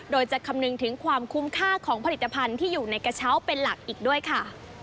โดยจะคำนึงถึงความคุ้มค่าของผลิตภัณฑ์ที่อยู่ในกระเช้าเป็นหลักอีกด้วยค่ะ